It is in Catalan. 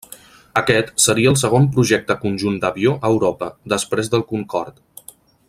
Aquest seria el segon projecte conjunt d'avió a Europa, després del Concorde.